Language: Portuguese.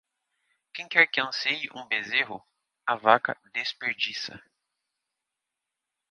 Quem quer que anseie um bezerro, a vaca desperdiça.